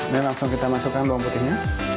langsung kita masukkan bawang putihnya